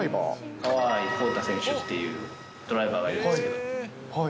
川合こうた選手っていうドライバーがいるんですけど。